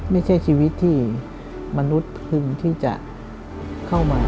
ไม่ใช่ชีวิตที่มนุษย์พึงที่จะเข้ามา